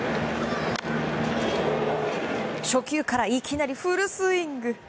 初球からいきなりフルスイング。